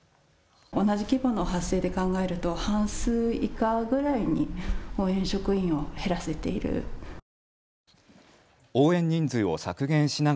同じ規模の発生で考えると半数以下ぐらいに応援職員を減らせている。